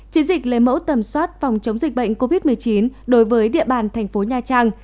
chiến dịch lấy mẫu tầm soát phòng chống dịch bệnh covid một mươi chín đối với địa bàn thành phố nha trang